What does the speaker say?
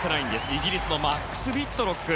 イギリスのマックス・ウィットロック。